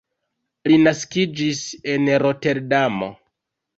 Li naskiĝis en Roterdamo.